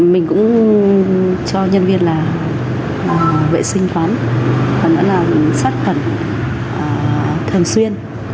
mình cũng cho nhân viên là vệ sinh quán còn nữa là sát phẩm thường xuyên